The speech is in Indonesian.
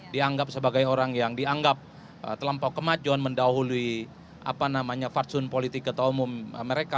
dianggap sebagai orang yang dianggap terlampau kemajuan mendahului apa namanya fadsun politik ketahumu mereka